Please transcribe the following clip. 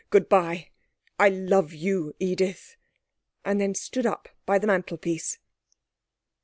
Good bye. I love you, Edith,' and then stood up by the mantelpiece.